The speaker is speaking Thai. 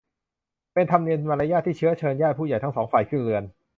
เป็นธรรมเนียมมารยาทที่เชื้อเชิญญาติผู้ใหญ่ทั้งสองฝ่ายขึ้นเรือน